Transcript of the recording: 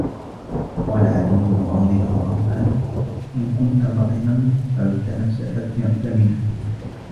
وَقَالَ عَلِيٌّ رَضِيَ اللَّهُ عَنْهُ إنْ كُنْتَ بَطِنًا فَعُدَّ نَفْسَك زَمِنًا